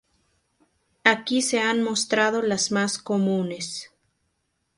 Aquí se han mostrado las más comunes.